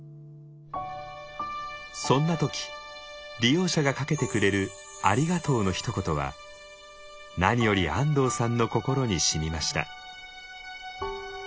そんな時利用者がかけてくれる「ありがとう」のひと言は何より安藤さんの心にしみました。